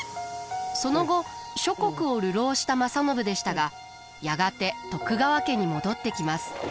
その後諸国を流浪した正信でしたがやがて徳川家に戻ってきます。